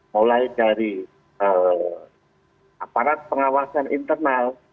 mulai dari aparat pengawasan internal